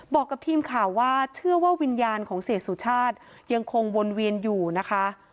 บอกกับทีมข่าวว่าเชื่อว่าวิญญาณของเสียสุชาติยังคงวนเวียนอยู่นะคะ